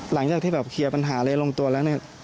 หลังจากที่แบบเคลียร์ปัญหาอะไรลงตัวแล้วเนี่ย